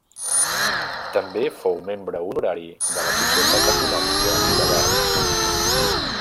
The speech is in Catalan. També fou membre honorari de la Societat Econòmica de Berna.